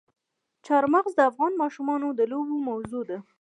چار مغز د افغان ماشومانو د لوبو موضوع ده.